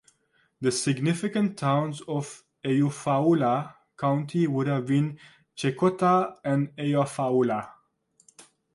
The significant towns of Eufaula County would have been Checotah and Eufaula.